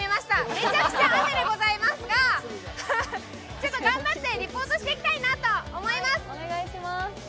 めちゃくちゃ雨でございますが、ちょっと頑張ってリポートしていきたいと思います。